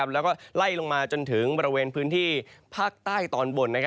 แล้วก็ไล่ลงมาจนถึงบริเวณพื้นที่ภาคใต้ตอนบน